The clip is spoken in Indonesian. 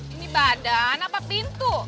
ini badan apa pintu